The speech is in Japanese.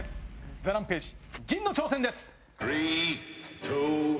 ＴＨＥＲＡＭＰＡＧＥ・陣の挑戦です。